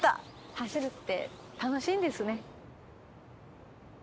走るって楽しいんですね。